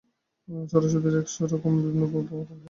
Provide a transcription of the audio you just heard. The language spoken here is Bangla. সরস্বতীর একশ রকম বিভিন্ন ভাব কল্পনা হোক।